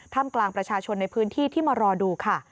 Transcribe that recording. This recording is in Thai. กลางประชาชนในพื้นที่ที่มารอดูค่ะ